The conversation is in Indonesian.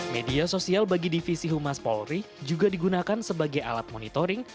media sosial bagi divisi humas polri juga digunakan sebagai alat monitoring